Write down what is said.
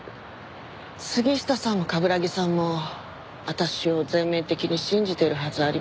杉下さんも冠城さんも私を全面的に信じているはずありませんから。